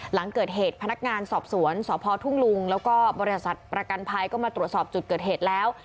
หลังเกิดเหตุพนักงานสอบสวนสพทุ่งลุงแล้วก็บริษัทประกันภัยก็มาตรวจสอบจุดเกิดเหตุแล้ว